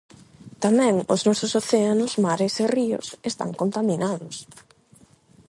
Tamén os nosos océanos, mares e ríos están contaminados.